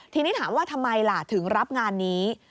ทีนี้ถามว่าทำไมล่ะถึงรับงานนี้